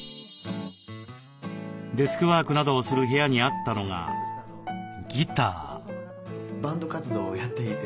デスクワークなどをする部屋にあったのがギター。